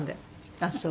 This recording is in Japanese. あっそう。